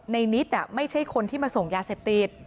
นิดไม่ใช่คนที่มาส่งยาเสพติด